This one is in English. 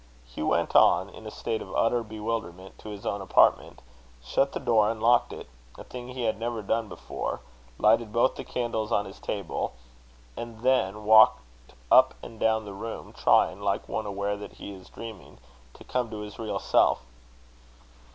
Hugh went on, in a state of utter bewilderment, to his own apartment; shut the door and locked it a thing he had never done before; lighted both the candles on his table; and then walked up and down the room, trying, like one aware that he is dreaming, to come to his real self.